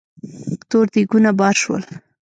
تور دېګونه بار شول.